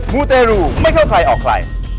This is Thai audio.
มูเตรูไม่เข้าใครออกใคร